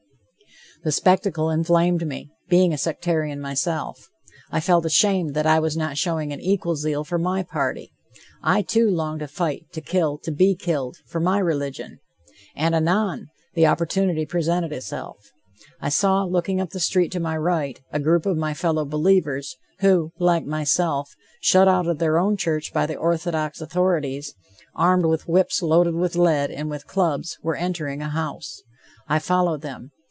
The spectacle inflamed me, being a sectarian myself. I felt ashamed that I was not showing an equal zeal for my party. I, too, longed to fight, to kill, to be killed, for my religion. And, anon! the opportunity presented itself. I saw, looking up the street to my right, a group of my fellow believers, who, like myself, shut out of their own church by the orthodox authorities, armed with whips loaded with lead and with clubs, were entering a house. I followed them.